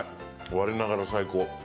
われながら最高。